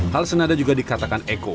hal senada juga dikatakan eko